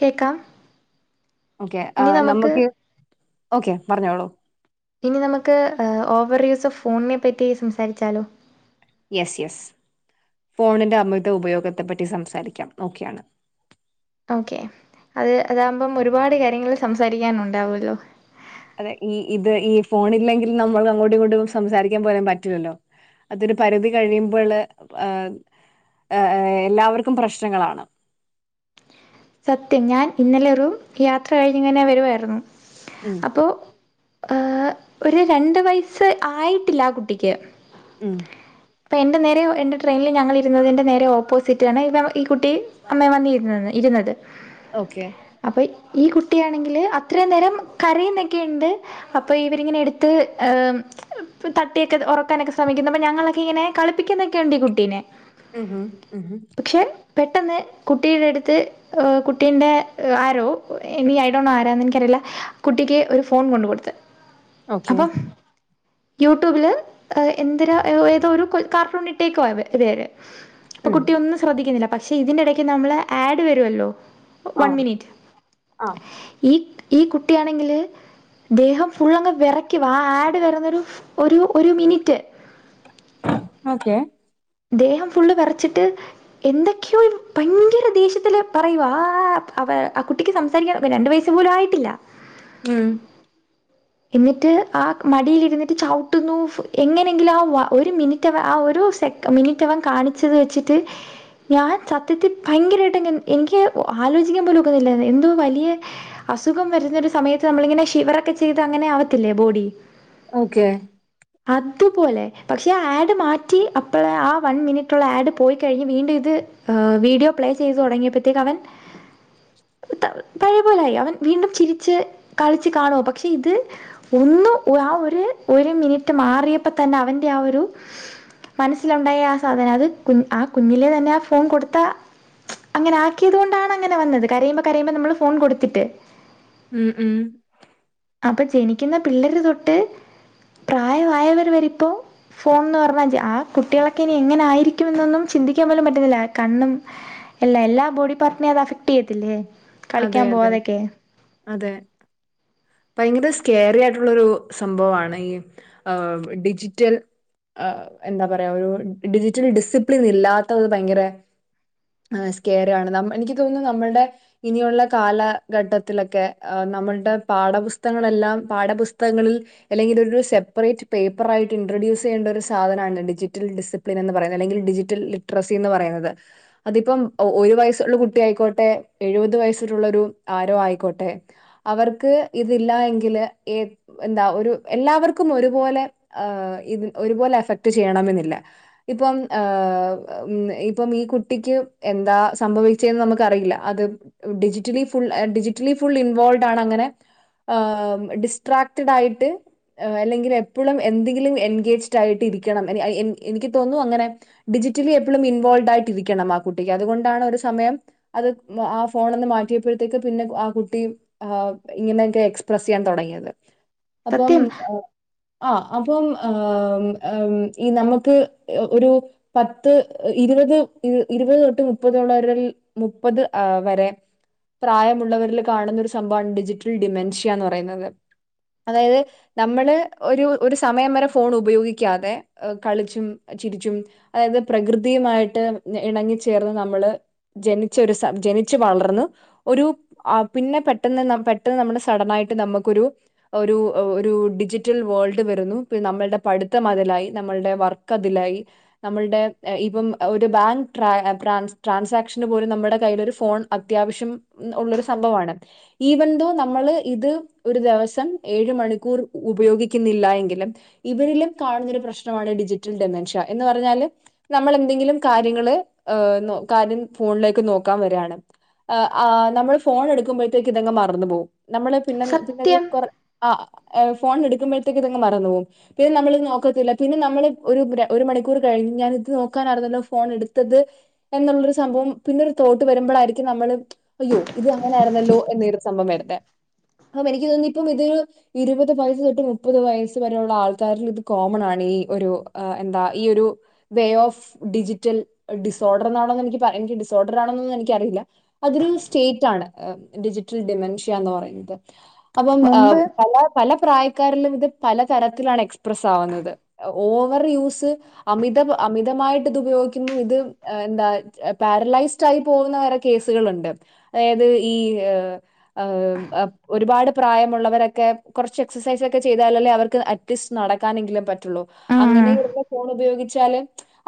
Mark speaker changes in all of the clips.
Speaker 1: കേക്കാ
Speaker 2: ഓക്കെ ആ നമുക്ക് ഓക്കെ പറഞ്ഞോളൂ
Speaker 1: ഇനി നമുക്ക് ഓവർ യൂസ് ഓഫ് ഫോണിനെ പറ്റി സംസാരിച്ചാലോ
Speaker 2: യെസ് യെസ് ഫോണിന്റെ അമിത ഉപയോഗത്തെപ്പറ്റി സംസാരിക്കാം ഓക്കെയാണ്
Speaker 1: ഓക്കേ അത് അതാമ്പം ഒരുപാട് കാര്യങ്ങൾ സംസാരിക്കാൻ ഉണ്ടാവുമല്ലോ
Speaker 2: അതെ ഈ ഇത് ഈ ഫോൺ ഇല്ലെങ്കിൽ നമ്മൾക്ക് അങ്ങോട്ടും ഇങ്ങോട്ടും സംസാരിക്കാൻ പോലും പറ്റില്ലല്ലോ അതൊരു പരിധി കഴിയുമ്പോള് ആഹ് ഏഹ് എല്ലാവർക്കും പ്രശ്നങ്ങളാണ്
Speaker 1: സത്യം ഞാൻ ഇന്നലെ ഒരു യാത്ര കഴിഞ്ഞിങ്ങനെ വരുവായിരുന്നു
Speaker 2: ഉം
Speaker 1: അപ്പൊ ആഹ് ഒരു രണ്ട് വയസ്സ് ആയിട്ടില്ല ആ കുട്ടിക്ക്
Speaker 2: ഉം
Speaker 1: അപ്പോ എൻ്റെ നേരെയൊ എൻ്റെ ട്രെയിനിൽ ഞങ്ങളിരുന്നതിൻ്റെ നേരെ ഓപ്പോസിറ്റാണ് ഇപ്പം ഈ കുട്ടി അമ്മേം വന്ന് ഇരുന്നത് ഇരുന്നത്
Speaker 2: ഓക്കെ
Speaker 1: അപ്പോ ഈ കുട്ടിയാണെങ്കിൽ അത്രയും നേരം കരയ്ന്നൊക്കെയിണ്ട് അപ്പൊ ഇവരിങ്ങനെ എടുത്ത് ഏഹ് തട്ടിയൊക്കെ ഉറക്കാനൊക്കെ ശ്രമിക്കുന്ന് അപ്പൊ ഞങ്ങളൊക്കെ ഇങ്ങനെ കളിപ്പിക്കുന്നൊക്കെ ഇണ്ട് ഈ കുട്ടീനെ
Speaker 2: ഉം ഉം ഉം ഉം
Speaker 1: പക്ഷെ പെട്ടെന്ന് കുട്ടിയുടെ എടുത്ത് കുട്ടീന്റെ ആരോ ഇനി ഐ ഡോൻ നോ ആരാന്ന് എനിക്കറിയില്ല കുട്ടിക്ക് ഒരു ഫോൺ കൊണ്ട് കൊടുത്ത്
Speaker 2: [unintelligible]
Speaker 1: അപ്പം യൂട്യൂബില് എന്തരോ ഏതോരു കാർട്ടൂണി ട്ടിക്കാ ഇവര് ഇപ്പോ
Speaker 2: ഉം
Speaker 1: കുട്ടി ഒന്നും ശ്രദ്ധിക്കുന്നില്ല പക്ഷേ ഇതിന്റെ എടേക്ക് നമ്മളെ ആഡ് വ വരുല്ലോ വൺ
Speaker 2: ആഹ്
Speaker 1: മിനിറ്റ്
Speaker 2: ആഹ്
Speaker 1: ഈ ഈ കുട്ടിയാണെങ്കിൽ ദേഹം ഫുള്ളങ്ങ് വെറയ്ക്കുവാ ആ ആഡ് വരുന്നൊരു ഒരു ഒരു മിനിറ്റ്
Speaker 2: ഓക്കെ
Speaker 1: ദേഹം ഫുള്ള് വിറച്ചിട്ട് എന്തൊക്കെയോ ഭയങ്കര ദേഷ്യത്തില് പറയുവാ ആഹ് കുട്ടിക്ക് സംസാരിക്കാൻ രണ്ട് വയസ് പോലും ആയിട്ടില്ല
Speaker 2: ഉം
Speaker 1: എന്നിട്ട് ആ മടിലിരുന്നിട്ട് ചവിട്ടുന്നു എങ്ങനെയെങ്കിലും ആ ഒരു മിനിറ്റ് അവൻ ഒരു സെ മിനിറ്റ് അവൻ കാണിച്ചത് വെച്ചിട്ട് ഞാൻ സത്യത്തിൽ ഭയങ്കരമായിട്ടങ് എനിക്ക് ആലോചിക്കാൻ പോലും ഒക്കുന്നില്ലരുന്നു എന്തോ വലിയ അസുഖം വരുന്നൊരു സമയത്ത് നമ്മളിങ്ങനെ ശിവറൊക്കെ ചെയ്ത് അങ്ങനെ ആവത്തില്ലേ ബോഡി?
Speaker 2: ഓക്കെ.
Speaker 1: അതുപോലെ പക്ഷേ ആഡ് മാറ്റി. അ ഇപ്പോളെ ആ വൺ മിനിറ്റുള്ള ആഡ് പോയിക്കഴിഞ്ഞ് വീണ്ടും ഇത് ് വീഡിയോ പ്ലേ ചെയ്ത് തുടങ്ങിയപ്പോഴത്തേക്ക് അവൻ പഴേ പോലായി അവൻ വീണ്ടും ചിരിച്ച് കളിച്ച് കാണുവാ പക്ഷെ ഇത് ഒന്ന് ആ ഒര് ഒര് മിനിറ്റ് മാറിയപ്പോ തന്നെ അവൻ്റെ ആ ഒരു മനസ്സിലുണ്ടായ ആ സാധനം അത് കു ആ കുഞ്ഞിലെ തന്നെ ആ ഫോൺ കൊടുത്ത അങ്ങനെ ആക്കിയത് കൊണ്ടാണങ്ങനെ വന്നത് കരയുമ്പോ കരയുമ്പോ നമ്മള് ഫോൺ കൊടുത്തിട്ട്.
Speaker 2: ം ം
Speaker 1: അപ്പോ ജനിക്കുന്ന പിള്ളേര് തൊട്ട് പ്രായമായവർ വരിപ്പോ ഫോൺ ന്ന് പറഞ്ഞാ ആ കുട്ടികളൊക്കെ ഇനി എങ്ങനെ ആയിരിക്കും എന്നൊന്നും ചിന്തിക്കാൻ പോലും പറ്റുന്നില്ല. കണ്ണും എല്ല എല്ലാ ബോഡി പാർട്ടിനെം അത് അഫക്ടെയ്യത്തില്ലേ?
Speaker 2: അതെ അതെ അതെ. ഭയങ്കര സ്കെയറി ആയിട്ടുള്ളൊരു സംഭവമാണ് ഈ ആ ് ഡിജിറ്റൽ ് എന്താ പറയാ ഒരു ഡിജിറ്റൽ ഡിസിപ്ലിൻ ഇല്ലാത്തത് ഭയങ്കര ആഹ് സ്കെയറ്യാണ് ഇനിക്ക് തോന്നുന്നു നമ്മളുടെ- ഇനിയുള്ള കാലഘട്ടത്തിലൊക്കെ നമ്മളുടെ പാഠപുസ്തകങ്ങളെല്ലാം പാഠപുസ്തകങ്ങളിൽ അല്ലെങ്കിൽ ഒരു സെപ്പറേറ്റ് പേപ്പറായിട്ട് ഇൻട്രഡ്യൂസ് ചെയ്യേണ്ട ഒരു സാധനാണ് ഡിജിറ്റൽ ഡിസി പ്ലിനെന്ന് പറയുന്നത് അല്ലെങ്കിൽ ഡിജിറ്റൽ ലിട്രസി എന്ന് പറയുന്നത്. അതിപ്പം ് ഒരു വയസ്സുള്ള കുട്ടി ആയിക്കോട്ടെ എഴുപത് വയസ്സിലുള്ളരു ആരോ ആയിക്കോട്ടെ അവർക്ക് ഇതില്ല എങ്കില് ഏ എന്താ ഒരു എല്ലാവർക്കും ഒരു പോലെ ് ഇത് ഒരു പോലെ എഫക്ട് ചെയ്യണമെന്നില്ല. ഇപ്പം ് ഇപ്പം ഈ കുട്ടിക്ക് എന്താ സംഭവിച്ചെന്ന് നമുക്കറിയില്ല അത് ഡിജിറ്റലി ഫുൾ ഡിജിറ്റലി ഫുൾ ഇൻവോൾഡാണങ്ങനെ ് ഡിസ്ട്രാക്റ്റഡായിട്ട് ് അല്ലെങ്കിൽ എപ്പോളും എന്തെങ്കിലും എൻഗേജ്ഡ് ആയിട്ടിരിക്കണം ഇനി എനിക്ക് തോന്നുന്നു അങ്ങനെ ഡിജിറ്റലി എപ്പളും ഇൻവോൾഡായിട്ടിരിക്കണം ആ കുട്ടിക്ക് അതുകൊണ്ടാണ് ഒരു സമയം അത് ആ ഫോണന്ന് മാറ്റിയപ്പോഴത്തേക്ക് പിന്നെ ആ കുട്ടി ് ഇങ്ങനെയൊക്കെ എക്സ്പ്രസ് ചെയ്യാൻ തുടങ്ങിയത്.
Speaker 1: സത്യം
Speaker 2: അപ്പം ് ആ അപ്പം ് ഈ നമുക്ക് ഒരു- പത്ത് ഇരുപത് ഇരുപത് തൊട്ട് മുപ്പതുള്ളരിൽ മുപ്പത് ആഹ് വരെ പ്രായമുള്ളവരിൽ കാണുന്ന ഒരു സംഭവമാണ് ഡിജിറ്റൽ ഡിമെൻഷ്യ എന്ന് പറയുന്നത്. അതായത് നമ്മള് ഒരു ഒരു സമയം വരെ ഫോൺ ഉപയോഗിക്കാതെ കളിച്ചും ചിരിച്ചും അതായത് പ്രകൃതിയുമായിട്ട് ഇണങ്ങിച്ചേർന്ന് നമ്മള് ജനിച്ചൊരു സ ജനി ച്ച് വളർന്ന് ഒരു പിന്നെ പെട്ടെന്ന് പെട്ടെന്ന് നമ്മള് സഡനായിട്ട് നമുക്കൊരു ഒരു ഒരു ഡിജിറ്റൽ വേൾഡ് വരുന്നു നമ്മളുടെ പഠിത്തം അതിലായി നമ്മളുടെ വർക്ക് ക്കതിലായി നമ്മളുടെ ് ഇപ്പം ഒരു ബാങ്ക് ട്രാ ട്രാൻസ് ട്രാൻസാക്ഷന് പോലും നമ്മുടെ കയ്യിലൊരു ഫോൺ അത്യാവശ്യം ഉള്ളൊരു സംഭവാണ് ഈവൻന്തോ നമ്മള് ഇത് ഒരു ദെവസം ഏഴ് മണിക്കൂർ ഉ ഉപയോഗിക്കുന്നില്ല എങ്കിലും ഇവരിലും കാണുന്നൊരു പ്രശ്നമാണ് ഡിജിറ്റൽ ഡെമെൻഷ്യ എന്ന് പറഞ്ഞാല് നമ്മളെന്തെങ്കിലും കാര്യങ്ങള് ് നോ കാര്യം ഫോണിലേക്ക് നോക്കാൻ വരാണ്. ആ ആ നമ്മള് ഫോൺ എടുക്കുമ്പോഴത്തേക്ക് ഇതെങ്ങ് മറന്നു പോവും. നമ്മള് പിന്നെ പിന്നെത്
Speaker 1: സത്യം
Speaker 2: കൊറ് ആ എ ഫോൺഎടുക്കുമ്പോഴത്തേക്ക് ഇതങ്ങ് മറന്നു പോവും. പിന്നെ നമ്മളിത് നോക്കത്തില്ല പിന്നെ നമ്മള് ഒരു ഒരു മണിക്കൂർ കഴിഞ്ഞ് ഞാൻ ഇത് നോക്കാനായിരുന്നല്ലോ ഫോൺ എടുത്തത്. എന്നുള്ളൊരു സംഭവം പിന്നൊരു തോട്ട് വരുമ്പളായിരി ക്കും നമ്മള് അയ്യോ ഇത് അങ്ങനെ ആരുന്നല്ലോ എന്നെരു സംഭവം വരത്തെ ആഹ് എനിക്ക് തോന്നി ഇപ്പം ഇതൊരു ഇരുപത് വയസ്സ് തൊട്ട് മുപ്പത് വയസ് വരെയുള്ള ആൾക്കാരിൽ ഇത് കോമൺ ആണ്, ഈ ഒരു അ എന്താ ഈ ഒരു വേ ഓഫ് ഡിജിറ്റൽ ഡിസോർഡെറെന്നാണോന്നേനിക്ക് പറ എനിക്ക് ഡിസോർഡർ ആണോന്നൊന്നും എനിക്ക് അറിയില്ല. അതൊരു സ്റ്റേറ്റ് ആണ് ഡിജിറ്റൽ ഡിമെൻഷ്യന്ന് പറയുന്നത്. അപ്പം എ
Speaker 1: മുമ്പ്
Speaker 2: പല പല പ്രായക്കാരിലും ഇത് പല തരത്തിലാണ് എക്സ്പ്രെസ്സ് ആവുന്നത്. ഓവർ യൂസ് അമിത അമിതമായിട്ട് ഇത് ഉപയോഗിക്കുന്നു ഇത് എന്താ പാരലൈസ്ഡായി പോകുന്നവരൊ കേസ്കളുണ്ട് അതായത് ഈ ഏഹ് ആഹ് അ ഒരുപാട് പ്രായമുള്ളവരൊക്കെ കൊറ്ച്ച് എക്സസൈസ് ഒക്കെ ചെയ്താലല്ലേ അവർക്ക് അറ്റ് ലീസ് നടക്കാനെങ്കിലും പറ്റുള്ളൂ.
Speaker 1: ആ
Speaker 2: അങ്ങനെയിര്ന്ന് ഫോൺ ഉപയോഗിച്ചാല്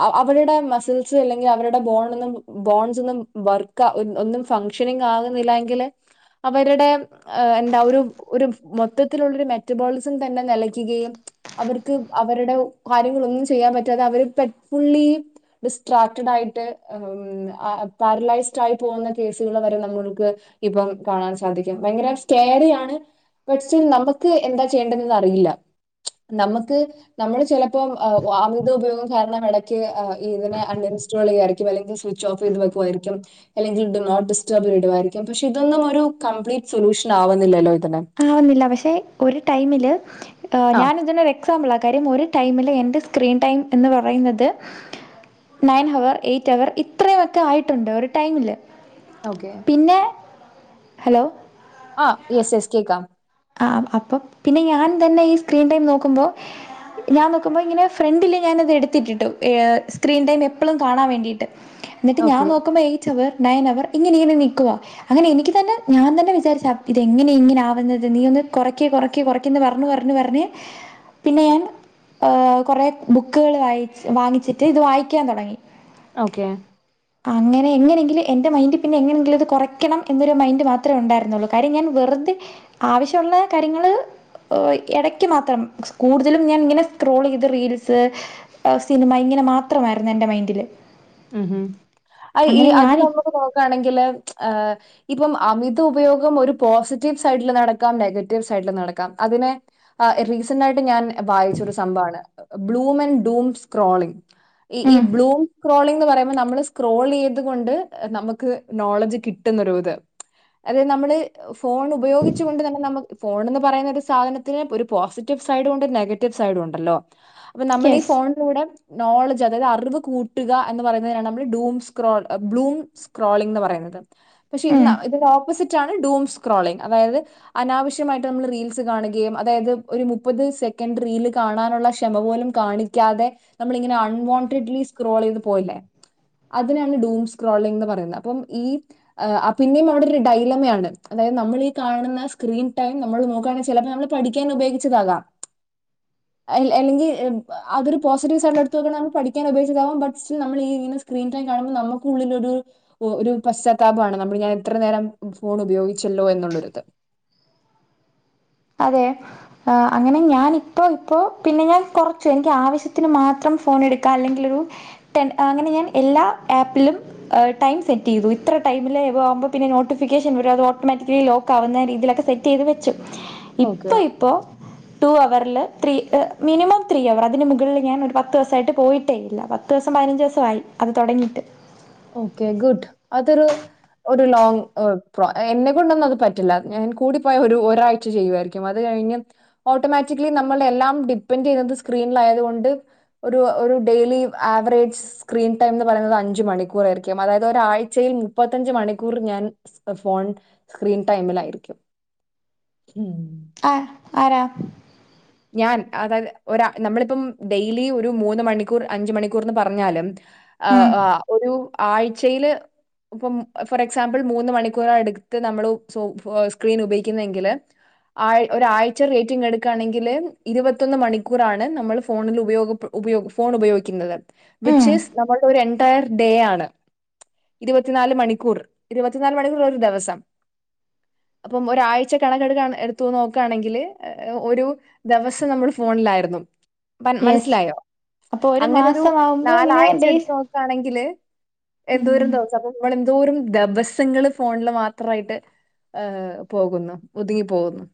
Speaker 2: അ അവരുടെ മസിൽസ് അല്ലെങ്കി അവരുടെ ബോൺ ഒന്നും ബോൺസ് ഒന്നും വർ ക്ക ഒ ഒന്നും ഫങ്ഷനിങ് ആകുന്നില്ലന്നെങ്കിൽ അവരുടെ എന്താ ഒരു ഒരു മൊത്തത്തിലുള്ളൊരു മെറ്റബോളിസംതന്നെ നെലയ്ക്കുകയും അവർക്ക് അവരുടെ കാര്യങ്ങളൊന്നും ചെയ്യാൻ പറ്റാതെ അവര് പെട്ട് ഫുള്ളി ഡിസ്ട്രാറ്റ്ഡ് ആയിട്ട് മ് ആ പാരലൈസ് റ്റായി പോകുന്ന കേസുകൾവരെ നമ്മൾക്ക് ഇപ്പം കാണാൻ സാധിക്കും. ഭയങ്കര സ്ന്റെടിയാണ്. ബട്ട് സ്റ്റിൽ നമുക്ക് എന്താചെയ്യേണ്ടതെന്ന് അറിയില്ല. നമ്മക്ക് നമ്മള് ചെലപ്പോം അ അമിതഉപയോഗം കാരണം എടയ്ക്ക് അ ഇതിനെ അണിന്സ്റ്റാ റ്റാളെയായിരിക്കും അല്ലെങ്കി സ്വിച്ച്ഓഫെയ്ത് വെക്കുവായിരിക്കും. അല്ലെങ്കിൽ ടിമോട്ട്ഡിസ്റ്റർബ് ഇടുവായിരിക്കും പക്ഷേ ഇതൊന്നും ഒരു കംപ്ലീറ്റ് സൊലൂഷനാവുന്നില്ലല്ലോ ഇതിന്
Speaker 1: ആവുന്നില്ല പക്ഷേ ഒരു ടൈമില്
Speaker 2: ആ
Speaker 1: ഞാനിതിനൊരു എക്സാമ്പിൾ ആ കാര്യം ഒരു ടൈമില് എന്റെ സ്ക്രീൻ ടൈം എന്ന് പറയുന്നത് നയൻ ഹവർ എയ്റ്റ് ഹവർ ഇത്രയുവൊക്കെ ആയിട്ടുണ്ട് ഒരു ടൈമിൽ.
Speaker 2: ഓക്കെ
Speaker 1: ഹലോ
Speaker 2: ആ യെസ് യെസ് കേക്കാം.
Speaker 1: ആ അപ്പം പിന്നെ ഞാൻ തന്നെ ഈ സ്ക്രീൻ ടൈം നോക്കുമ്പോ ഞാൻ നോക്കുമ്പോ ഇങ്ങനെ ഫ്രണ്ടില് ഞാനത് എടുത്തിട്ടിട്ടു. ഏഫ് സ്ക്രീൻ ടൈം എപ്പളും കാണാൻ വേണ്ടിയിട്ട്.
Speaker 2: [inaudible]
Speaker 1: ന്നിട്ട് ഞാൻ നോക്കുമ്പോ എയിറ്റ് ഹവർ നയൻ ഹവർ ഇങ്ങനെ ഇങ്ങനെ നിക്കുവ. അങ്ങനെ എനിക്ക് തന്നെ ഞാൻ തന്നെ വിചാരിച്ച് ഇതെങ്ങേനെ ഇങ്ങനെ ആവുന്നത് നീ ഒന്ന് കൊറക്കെ കൊറക്കെ കൊറക്കെന്ന് പറഞ്ഞു പറഞ്ഞു പറഞ്ഞ് പിന്നെ ഞാൻ ഏഹ് കൊറെ ബുക്കുകൾ വായി വാങ്ങിച്ചിട്ട് ഇത് വായിക്കാൻ തുടങ്ങി.
Speaker 2: ഓക്കെ
Speaker 1: അങ്ങനെ എങ്ങനെയെങ്കിലും എന്റെമൈന്റ് പിന്നെ എങ്ങനെയെങ്കിലും ഇത് കൊറയ്ക്കണം എന്നൊരു മൈന്റ് മാത്ര ഉണ്ടായിരുന്നുള്ളൂ. കാര്യം ഞാൻ വെറുതെ ആവശ്യവുള്ള കാര്യങ്ങൾ ഓ എടയ്ക്ക് മാത്രം കൂടുതലും ഞാൻ ഇങ്ങനെ സ്ക്രോൾ ചെയ്ത് റീൽസ് സിനിമ ഇങ്ങനെ മാത്രമായിരുന്നു എന്റെ മൈൻഡില്.
Speaker 2: ഉം ഉം അ ഈ അത്
Speaker 1: ഞാൻ
Speaker 2: നമ്മുക്ക് നോക്കാണെങ്കില് മ് ഏഹ് ഇപ്പം അമിത ഉപയോഗം ഒരു പോസറ്റീവ് സൈഡിൽ നടക്കാം നെഗറ്റീവ് സൈഡിൽ നടക്കാം. അതിനെ ആ റീസെന്റ് ആയിട്ട് ഞാൻ വായിച്ചൊരു സംഭവാണ് ബ്ലൂംമെന്റ്ഡൂം സ്ക്രോളിങ്. ഈ ഈ ബ്ലൂ സ്ക്രോളിംഗ ന്ന് പറയുമ്പോ നമ്മള് സ്ക്രോൾ യ്ത് കൊണ്ട് നമുക്ക് നോളജ് കിട്ടുന്നൊ ഒരു ഇത്. അതെ നമ്മള് ഫോൺ ഉപയോഗിച്ചു കൊണ്ട് തന്നെ നമ്മ ഫോണെന്ന് പറയുന്നൊരു സാധനം ഇതിന് ഒരു പോസിറ്റീവ് സൈഡും ഉണ്ട് നെഗറ്റീവ് സൈഡും ഉണ്ടല്ലോ അപ്പം നമ്മളി
Speaker 1: യെസ്
Speaker 2: ഫോണിലൂടെ നോളജ് അഥവാ അറിവ് കൂ കൂട്ടുക എന്ന് പറയുന്നതിനാണ് നമ്മ ഡൂമ്സ്ക്രോൾ ബ്ലൂമ് സ്ക്രോളിംങ്ന്ന് പറയുന്നത് പക്ഷെ ഇന്ന ഇതിന്റെ ഓപ്പോസിറ്റ് ആണ് ഡൂം സ്ക്രോളിങ്ങ് അതായത് അനാവശ്യമായിട്ട് നമ്മൾ റീൽസ് അനാവശ്യമായിട്ട് നമ്മള് റീൽസ് കാണുകയും അതായത് ഒരു മുപ്പത് സെക്കൻഡ് റീല് കാണാനുള്ള ക്ഷമ പോലും കാണിക്കാതെ നമ്മളിങ്ങനെ അൺവോണ്ടഡ്ലി സ്ക്രോൾ ചെയ്ത് പോവില്ലേ അതിനാണ് ഡൂം സ്ക്രോളിങ്ങ് ന്ന് പറയുന്നത് അപ്പം ഈ ആഹ് പിന്നെ നമ്മടൊരു ഡൈലമയാണ് അതായത് നമ്മൾ ഈ കാണുന്ന സ്ക്രീൻ ടൈം നമ്മൾ നോക്കാണെ ചെലപ്പോ നമ്മള് പഠിക്കാൻ ഉപയോഗിച്ചതാകാം. അൽ അല്ലെങ്കി അതൊരു പോസിറ്റീവ് സൈഡിൽ എടുത്തു നോക്കയാണേ പഠിക്കാൻ ഉപയോ ബട്ട് സ്റ്റിൽ നമ്മൾ ഇങ്ങന സ്ക്രീൻ ടൈം കാണുമ്പോ നമ്മക്കുള്ളിലോരു ഓഹ് ഒരു പശ്ചാത്താപാണ് നമ്മൾ ഇങ്ങനെ ഇത്ര നേരം ഫോൺ ഉപയോഗിച്ചല്ലോ എന്നുള്ളരുത്
Speaker 1: അതെ ആഹ് അങ്ങനെ ഞാൻ ഇപ്പോ ഇപ്പോ പിന്നെ ഞാൻ കൊറച്ച് എനിക്ക് ആവശ്യത്തിന് മാത്രം ഫോൺ എട്ക്കാ അല്ലെങ്കിൽ ഒരു ടെൻ അങ്ങനെ ഞാൻ എല്ലാ ആപ്പിലും ടൈം സെറ്റ് ചെയ്തു ഇത്ര ടൈമിലെ ഇത് ആവുമ്പോ പിന്നെ നോട്ടിഫിക്കേഷൻ വരും അത് ഓട്ടോമാറ്റിക്കലി ലോ ആവുന്ന രീതിയിലൊക്കെ സെറ്റ് ചെയ്ത് വെച്ചു ഇപ്പൊ ഇപ്പോ ടു അവർല്ല് ത്രീ മിനിമം ത്രീ അവർ അതിന് മുകളിൽ ഞാൻ ഒരു പത്തുസായിട്ട് പോയിട്ടേ ഇല്ല പത്തൂസം പതിനഞ്ചുസായി അത് തോടങ്ങിട്ട്
Speaker 2: ഓക്കേ ഗുഡ് അതൊരു ഒരു ലോങ് എന്നെ കൊണ്ടൊന്നും അത് പറ്റില്ല ഞാൻ കൂടിപ്പോയ ഒരു ഒരാഴ്ച ചെയ്യുമായിരിക്കും അത് കഴിഞ്ഞ് ഓട്ടോമാറ്റിക്കലി നമ്മൾ എല്ലാം ഡിപ്പെൻഡ് ചെയ്യുന്നത് സ്ക്രീൻലായത് കൊണ്ട് ഒരു ഒരു ഡെയിലി ആവറേജ് സ്ക്രീൻ ടൈം എന്ന് പറയുന്നത് അഞ്ച് മണിക്കൂ ക്കൂറായിരിക്കും അതായത് ഒരാഴ്ചയിൽ മുപ്പത്തഞ്ച് മണിക്കൂർ ഞാൻ ഫോൺ സ്ക്രീൻ ടൈമിലായിരിക്കു മ്
Speaker 1: ആഹ് ആരാ
Speaker 2: ഞാൻ അതായത് ഒര നമ്മളിപ്പം ഡെയിലി ഒരു മൂന്ന് മണിക്കൂർ അഞ്ച് മണിക്കൂർന്ന് പറഞ്ഞാലും ആഹ്
Speaker 1: ഉം.
Speaker 2: ആഹ് ഒരു ആഴ്ചയില് ഇപ്പം ഫോർ എക്സാമ്പിൾ മൂന്ന് മണിക്കൂർ എടുത്ത് നമ്മള് സോ സ്ക്രീൻ ഉപയോഗിക്കുന്നെങ്കില് ആഴ് ഒരാഴ്ച റേറ്റിംഗ് എട്ക്കാണെങ്കി ങ്കില് ഇരുപത്തൊന്ന് മണിക്കൂറാണ് നമ്മൾ ഫോണിൽ ഉപയൊ ഉപയോഗ ഫോൺ ഉപയോഗിക്കിന്നത്
Speaker 1: ഉം.
Speaker 2: വിച്ച് ഈസ് നമ്മുടെ ഒരു എന്റയർ ഡേ ആണ് ഇരുപത്തിനാല് മണിക്കൂർ ഇരുപത്തിനാല് മണിക്കൂർ ഒരു ദെവസം അപ്പം ഒരാഴ്ച കണക്കെടുക എടുത്തു നോക്കാണെങ്കില് ഒരു ദേവസം നമ്മള് ഫോൺലായിരുന്നു മന്
Speaker 1: യെസ്.
Speaker 2: മനസ്സിലായോ
Speaker 1: അപ്പൊ ഒരു
Speaker 2: അങ്ങനെരു
Speaker 1: മാസമാവുമ്പോ ഇങ്ങനെ
Speaker 2: നാലാഴ്ച എടുത്ത്
Speaker 1: ഡേയ്സ്
Speaker 2: നോ ക്കാണെങ്കില്
Speaker 1: ഉം.
Speaker 2: എന്തോരം ദിവസം അപ്പൊ നമ്മൾ എന്തോരം ദെവസങ്ങള് ഫോണില് മാത്രയിട്ട് ഏഹ് പോകുന്നു ഒതുങ്ങിപ്പോകുന്നു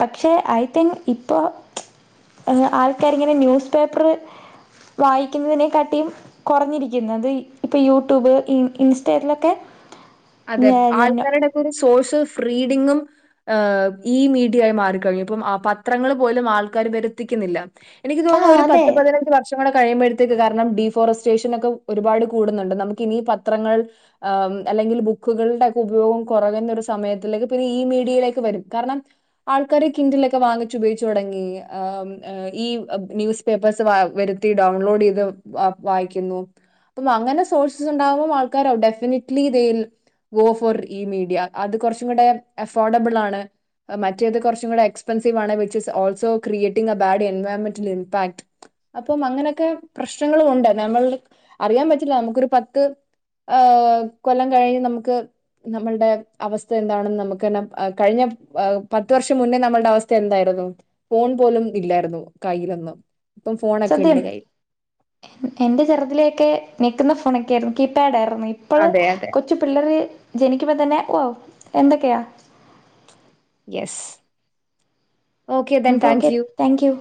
Speaker 1: പക്ഷേ ഐ തിങ്ക് ഇപ്പോൾ ഏഹ് ആൾക്കാരിങ്ങനെ ന്യൂസ് പേപ്പറ് വായിക്കുന്നെനെക്കാട്ടിയും കൊറഞ്ഞിരിക്കുന്നത് ഇപ്പൊ യൂട്യൂബ് ഇൻസ്റ്റലൊക്കെ
Speaker 2: അതെ ആൾക്കാരുടെക്കെ ഒരു സോഷ്യൽ ഫ്രീഡിങ്ങും ഏഹ് ഈ മീഡിയായി മാറിക്കഴിഞ്ഞു പ്പം ആഹ് പത്രങ്ങൾ പോലും ആൾക്കാരും വരുത്തിക്കുന്നില്ല എനിക്ക്
Speaker 1: ആ
Speaker 2: തോന്നുന്നു. ഒരു
Speaker 1: അതെ
Speaker 2: പത്ത് പതിനഞ്ച് വ ഷം കൂടെ കഴിയുമ്പഴത്തേക്ക് കാരണം ഡീഫോറസ്റ്റേഷൻ ഒക്കെ ഒരുപാട് കൂടുന്നുണ്ട്. നമുക്ക് ഇനി പത്രങ്ങൾ എഹേം അല്ലെങ്കിൾ അല്ലെങ്കില് ബു ക്കുകളുടെ ഒക്കെ ഉപയോഗം കൊറയുന്നൊ ഒരു സമയത്തിലേക്ക്, പിന്നെ ഈ മീഡിയയിലേക്ക് വരും കാര്ണം ആൾക്കാര് കിൻഡിലൊക്കെ വാങ്ങിച്ച് ഉപയോഗിച്ചുടങ്ങി. ഏഹ് ഏഹ്. ഈ ന്യൂസ് പേപ്പേഴസ് വാ വരുത്തി ഡൗൺലോഡ്യ്ത് വായിക്കുന്നു. അപ്പം അങ്ങനെ sources ഉണ്ടാകുമ്പൾ ആൾക്കാരോ definitely they will go for ഈ മീഡിയ. അത് കുറച്ചും കൂടെ അഫോർഡബിൾ ആണ്. മറ്റേത് കുറച്ചും കൂടെ എക്സ്പെൻസീവാണ്. Which is also creating a bad എൻവയോമെന്റൽ ഇമ്പാക്ട്. അപ്പം അങ്ങനെയൊക്കെ പ്രശ്നങ്ങളും ഒണ്ട്. നമ്മൾ അറിയാൻ പറ്റില്ല നമുക്കൊരു പത്ത് ഏഹ് കൊല്ലം കഴിഞ്ഞ് നമുക്ക് നമ്മളുടെ അവസ്ഥ എന്താണെന്ന് നമുക്ക് തന്നെ ഏഹ് കഴിഞ്ഞ ഏഹ് പത്ത് വർഷം മുന്നേ നമ്മളുടെ അവസ്ഥ എന്തായിരുന്നു? ഫോൺ പോലും ഇല്ലായിരുന്നു കയ്യിലൊന്നും. ഇപ്പം
Speaker 1: സത്യം
Speaker 2: ഫോണൊക്കെണ്ട് കയ്യിൽ
Speaker 1: എന്റെ ചെറുതിലേ ഒക്കെ ഞെക്കുന്ന ഫോണൊക്കെ ആയിരുന്നു കീപാഡയിരുന്നു.
Speaker 2: അതെ അതെ
Speaker 1: പിള്ളേര് ജനിക്കുമ്പ തന്നെ ഓഹ് എന്തക്കെയാ?
Speaker 2: യെസ്. ഓക്കേ ദെൻ
Speaker 1: അപ്പൊ
Speaker 2: thank
Speaker 1: okay
Speaker 2: you.
Speaker 1: Thank U